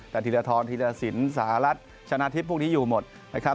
แต่ธีรทรธีรสินสหรัฐชนะทิพย์พวกนี้อยู่หมดนะครับ